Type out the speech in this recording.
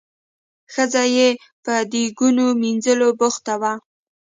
ښځه یې په دیګونو مینځلو بوخته وه.